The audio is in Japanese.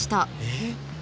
えっ？